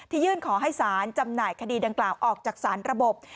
ยื่นขอให้ศาลจำหน่ายคดีดังกล่าวออกจากสารระบบ